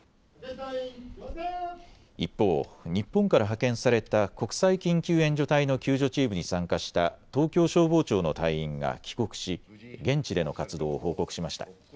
一方、日本から派遣された国際緊急援助隊の救助チームに参加した東京消防庁の隊員が帰国し現地での活動を報告しました。